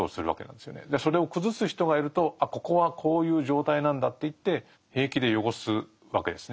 でそれを崩す人がいると「あここはこういう状態なんだ」っていって平気で汚すわけですね。